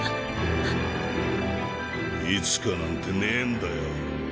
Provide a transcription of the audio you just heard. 「いつか」なんてねえんだよ。